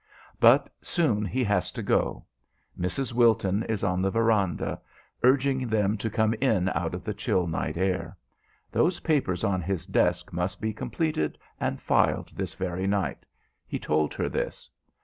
But soon he has to go. Mrs. Wilton is on the veranda, urging them to come in out of the chill night air. Those papers on his desk must be completed and filed this very night. He told her this.